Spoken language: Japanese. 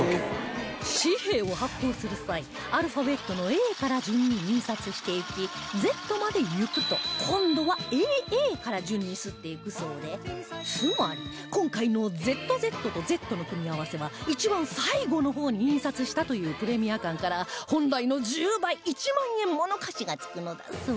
紙幣を発行する際アルファベットの Ａ から順に印刷していき Ｚ までいくと今度は ＡＡ から順に刷っていくそうでつまり今回の ＺＺ と Ｚ の組み合わせは一番最後の方に印刷したというプレミア感から本来の１０倍１万円もの価値がつくのだそう